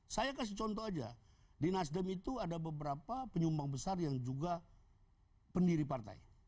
saya kasih contoh aja di nasdem itu ada beberapa penyumbang besar yang juga pendiri partai